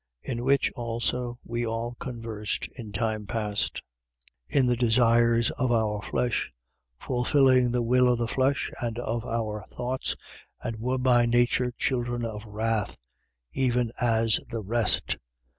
In which also we all conversed in time past, in the desires of our flesh, fulfilling the will of the flesh and of our thoughts, and were by nature children of wrath, even as the rest: 2:4.